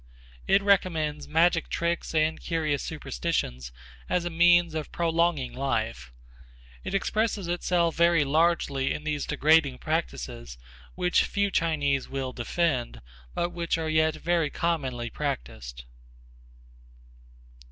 It recommends magic tricks and curious superstitions as a means of prolonging life. It expresses itself very largely in these degrading practices which few Chinese will defend, but which are yet very commonly practiced.